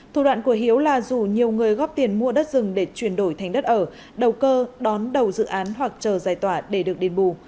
thủ đoạn của hiếu là dù nhiều người góp tiền mua đất rừng để chuyển đổi thành đất ở đầu cơ đón đầu dự án hoặc chờ giải tỏa để được đền bù